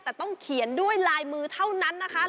แต่ต้องเขียนด้วยลายมือเท่านั้นนะคะ